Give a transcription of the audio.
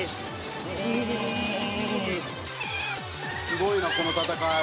「すごいなこの戦い」